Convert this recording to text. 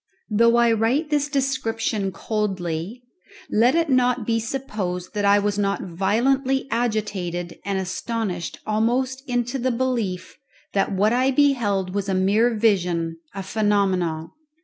Though I write this description coldly, let it not be supposed that I was not violently agitated and astonished almost into the belief that what I beheld was a mere vision, a phenomenon.